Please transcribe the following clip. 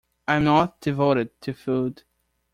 I am not devoted to food!